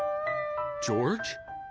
ジョージ。